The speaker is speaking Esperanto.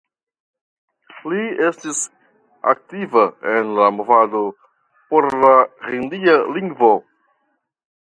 Li estis aktiva en la movado por la Hindia lingvo.